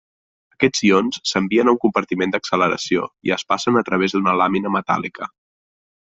Aquests ions s'envien a un compartiment d'acceleració i es passen a través d'una làmina metàl·lica.